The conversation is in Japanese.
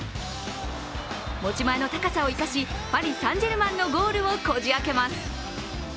持ち前の高さを生かし、パリ・サン＝ジェルマンのゴールをこじあけます。